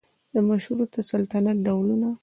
د مشروطه سلطنت ډولونه